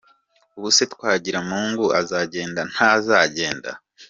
Ubu se Twagiramungu azagenda, ntazagenda ?